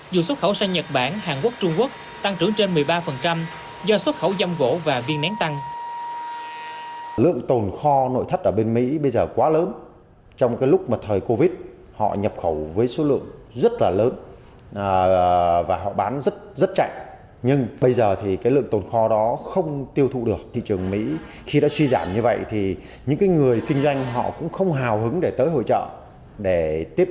dù xuất khẩu sang nhật bản hàn quốc trung quốc tăng trưởng trên một mươi ba